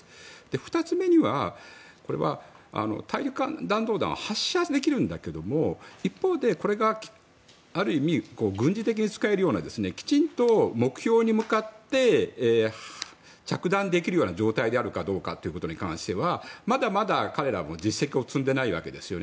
２つ目には大陸間弾道弾を発射できるんだけど一方で、これがある意味軍事的に使えるようなきちんと目標に向かって着弾できるような状態であるかどうかということに関してはまだまだ彼らも実績を積んでないわけですよね。